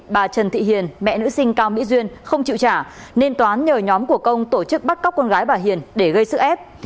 bà trần thị hiền mẹ nữ sinh cao mỹ duyên không chịu trả nên toán nhờ nhóm của công tổ chức bắt cóc con gái bà hiền để gây sức ép